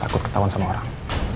takut ketahuan sama orang